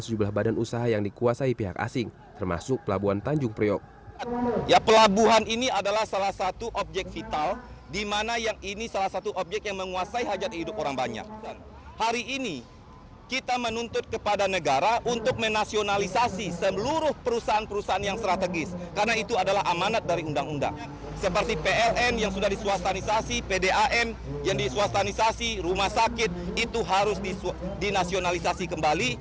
sejumlah badan usaha yang dikuasai pihak asing termasuk pelabuhan tanjung priok